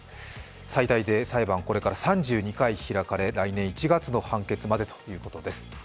最大で裁判これから３２回開かれ、来年１月の判決までということです。